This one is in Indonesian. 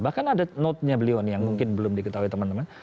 bahkan ada notenya beliau nih